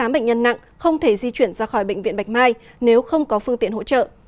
một trăm chín mươi tám bệnh nhân nặng không thể di chuyển ra khỏi bệnh viện bạch mai nếu không có phương tiện hỗ trợ